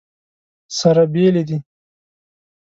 سره بېلې دي.